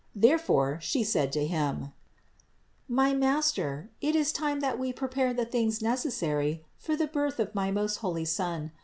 Therefore She said to him: "My master, it is time that we prepare the things necessary for the birth of my most holy Son.